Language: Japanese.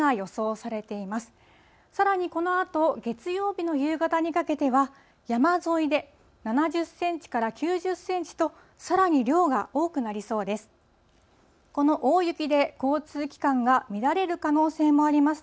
さらにこのあと月曜日の夕方にかけては、山沿いで７０センチから９０センチと、さらに量が多くなりそうです。